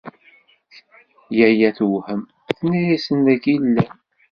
Yaya tewhem, tenna-asen dagi i illan.